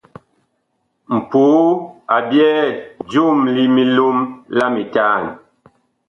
Mpoo a byɛɛ joom li milom la mitaan.